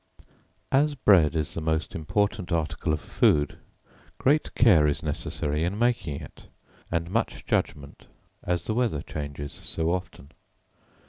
As bread is the most important article of food, great care is necessary in making it, and much judgment, as the weather changes so often.